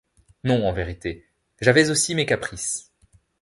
Non, en vérité ; j'avais aussi mes caprices.